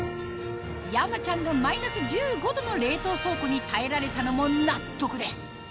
山ちゃんがマイナス１５℃の冷凍倉庫に耐えられたのも納得です